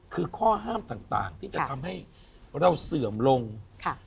คือข้อห้ามต่างต่างที่จะทำให้เราเสื่อมลงค่ะ